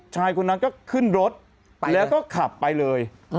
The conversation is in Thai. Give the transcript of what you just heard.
ชายคนนั้นก็ขึ้นรถแล้วก็ขับไปเลย